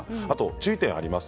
注意点があります。